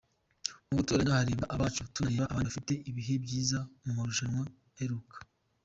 Mu gutoranya harebwe abacu tunareba abandi bafite ibihe byiza mu marushanwa aheruka.